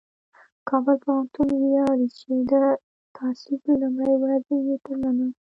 کابل پوهنتون ویاړي چې د تاسیس له لومړۍ ورځې یې تر ننه